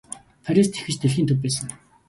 Парис тэгэхэд ч дэлхийн төв байсан.